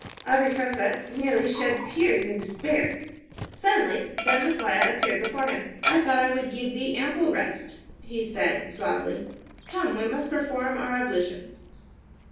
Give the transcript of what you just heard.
Abi Fressah nearly shed tears in his despair. Suddenly Ben Maslia appeared before him. "I thought I would give thee ample rest," he said suavely. "Come, we must perform our ablutions."